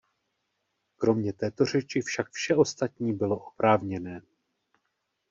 Kromě této řeči však vše ostatní bylo oprávněné.